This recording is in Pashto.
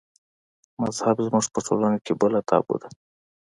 مذهب زموږ په ټولنه کې بله تابو ده.